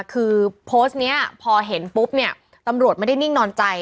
คือโพสต์นี้พอเห็นปุ๊บเนี่ยตำรวจไม่ได้นิ่งนอนใจ